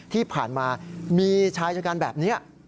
ที่ผ่านมามีชายจัดการแบบนี้